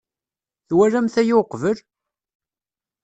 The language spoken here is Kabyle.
Twalamt aya uqbel?